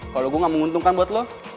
kalau gue gak menguntungkan buat lo